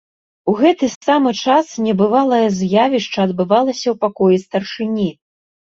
У гэты самы час небывалае з'явішча адбывалася ў пакоі старшыні.